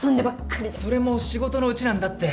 それも仕事のうちなんだって。